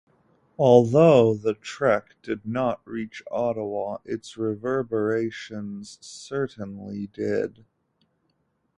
Although the Trek did not reach Ottawa, its reverberations certainly did.